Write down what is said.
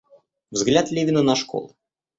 Взгляд Левина на школы.